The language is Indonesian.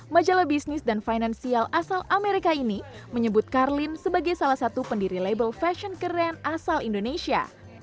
majalah bisnis dan finansial asal amerika ini menyebut karlin sebagai salah satu pendiri label fashion keren asal indonesia